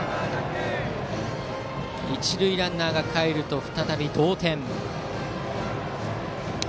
一塁ランナーがかえると再び同点。